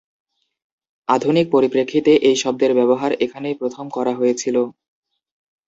আধুনিক পরিপ্রেক্ষিতে এই শব্দের ব্যবহার এখানেই প্রথম করা হয়েছিল।